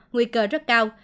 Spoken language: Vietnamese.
nguy cơ rất cao